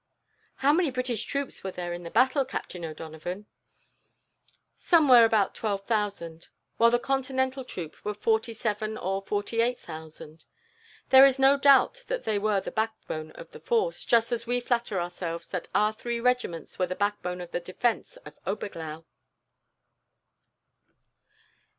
"How many British troops were there in the battle, Captain O'Donovan?" "Somewhere about twelve thousand, while the Continental troops were forty seven or forty eight thousand. There is no doubt that they were the backbone of the force, just as we flatter ourselves that our three regiments were the backbone of the defence of Oberglau."